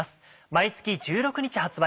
毎月１６日発売。